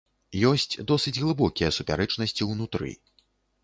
Ёсць досыць глыбокія супярэчнасці ўнутры.